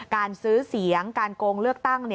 การซื้อเสียงการโกงเลือกตั้ง